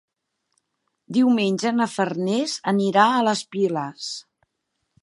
Diumenge na Farners anirà a les Piles.